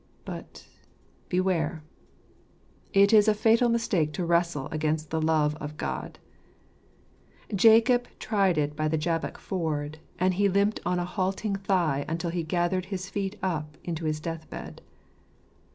But. beware ! It is a fatal mistake to wrestle against the love of God. Jacob tried it by the Jabbok ford ; and he limped on a halting thigh until he gathered his feet up into his death bed.